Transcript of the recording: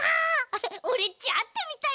オレっちあってみたいな。